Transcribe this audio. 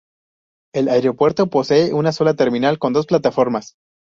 El aeropuerto posee una sola terminal con dos plataformas.